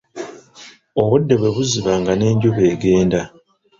Obudde bwe buziba nga ne njuba egenda.